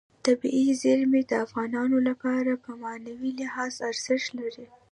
طبیعي زیرمې د افغانانو لپاره په معنوي لحاظ ارزښت لري.